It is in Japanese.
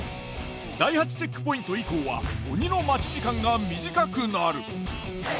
第８チェックポイント以降は鬼の待ち時間が短くなる。